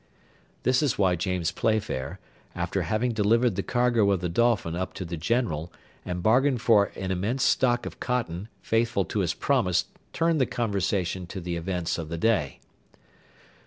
This is why James Playfair, after having delivered the cargo of the Dolphin up to the General, and bargained for an immense stock of cotton, faithful to his promise, turned the conversation to the events of the day.